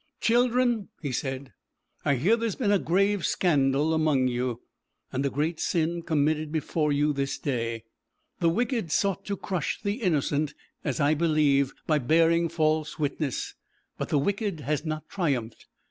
'Children,' he said, 'I hear there has been a grave scandal among you, and a great sin committed before you this day. The wicked sought to crush the innocent, as I believe, by bearing false witness, but the wicked has not triumphed.